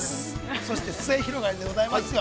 ◆そして、すゑひろがりずでございますよ。